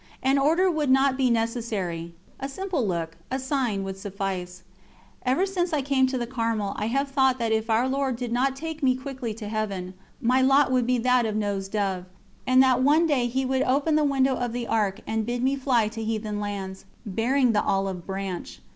An order would not be necessary: a simple look, a sign, would suffice. Ever since I came to the Carmel I have thought that if Our Lord did not take me quickly to Heaven, my lot would be that of Noe's dove, and that one day he would open the window of the Ark and bid me fly to heathen lands, bearing the olive branch.